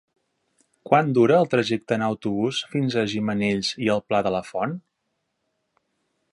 Quant dura el trajecte en autobús fins a Gimenells i el Pla de la Font?